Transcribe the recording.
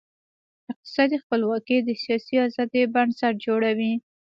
اقتصادي خپلواکي د سیاسي آزادۍ بنسټ جوړوي.